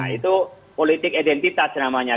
itu politik identitas namanya